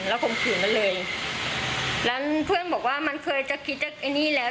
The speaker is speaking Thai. แล้วข่มขืนมันเลยแล้วเพื่อนบอกว่ามันเคยจะคิดจากไอ้นี่แล้ว